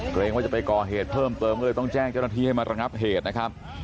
เกรงว่าจะไปก่อเหตุเพิ่มเติมก็เลยต้องแจ้งเจ้าหน้าที่ให้มาระงับเหตุนะครับ